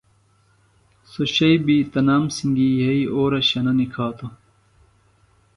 سوۡ شئیۡ بیۡ تنام سنگیۡ یھئی اورہ شنہ نِکھاتوۡ